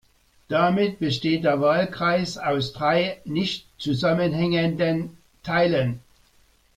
Damit besteht der Wahlkreis aus drei nicht zusammenhängenden Teilen.